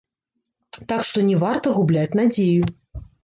Так што не варта губляць надзею.